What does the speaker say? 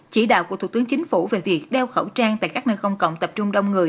chỉ đạo của thủ tướng chính phủ về việc đeo khẩu trang tại các nơi công cộng tập trung đông người